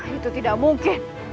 itu tidak mungkin